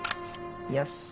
よし！